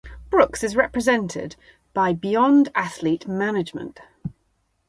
Brooks is represented by Beyond Athlete Management.